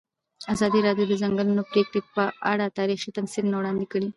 ازادي راډیو د د ځنګلونو پرېکول په اړه تاریخي تمثیلونه وړاندې کړي.